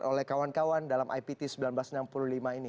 oleh kawan kawan dalam ipt seribu sembilan ratus enam puluh lima ini